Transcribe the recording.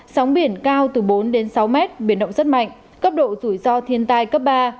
sóng biển cao từ bốn đến sáu mét biển động rất mạnh cấp độ rủi ro thiên tai cấp ba